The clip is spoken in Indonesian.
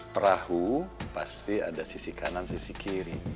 perahu pasti ada sisi kanan sisi kiri